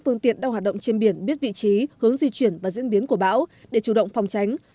người trên biển biết vị trí hướng di chuyển và diễn biến của bão để chủ động phòng tránh